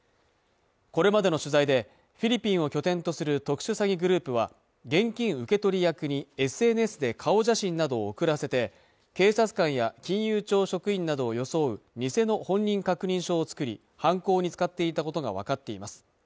これまでの取材でフィリピンを拠点とする特殊詐欺グループは現金受け取り役にＳＮＳで顔写真などを送らせて警察官や金融庁職員などを装う偽の本人確認証を作り犯行に使っていたことが分かっています